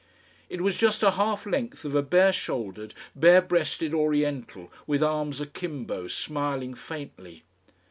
It was just a half length of a bare shouldered, bare breasted Oriental with arms akimbo, smiling faintly.